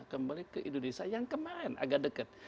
kembali ke indonesia yang kemarin agak dekat